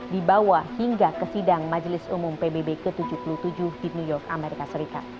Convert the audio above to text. dibawa hingga ke sidang majelis umum pbb ke tujuh puluh tujuh di new york amerika serikat